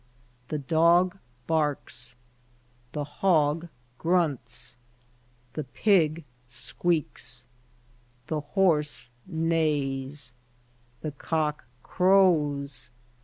The dog barks. The hog grunts. The pig squeaks. The horse neighs. The cock crows.